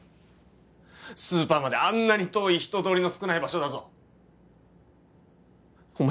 スーパーまであんなに遠い人通りの少ない場所だぞお前